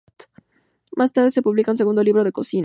Más tarde, se publica un segundo libro de cocina.